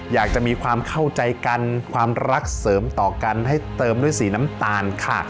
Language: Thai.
อยากจะมีความเข้าใจกันความรักเสริมต่อกันให้เติมด้วยสีน้ำตาลค่ะ